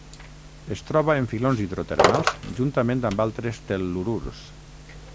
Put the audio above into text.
Es troba en filons hidrotermals juntament amb altres tel·lururs.